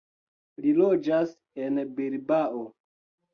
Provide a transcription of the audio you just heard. Li loĝas en Bilbao.